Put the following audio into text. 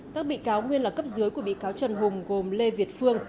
các bị cáo nguyên là cấp dưới của bị cáo trần hùng gồm lê việt phương